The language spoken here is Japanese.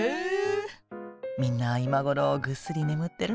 みんな今頃ぐっすり眠ってるのかしらね。